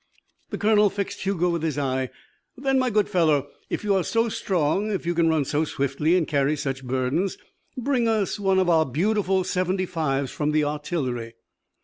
The colonel fixed Hugo with his eye. "Then, my good fellow, if you are so strong, if you can run so swiftly and carry such burdens, bring us one of our beautiful seventy fives from the artillery."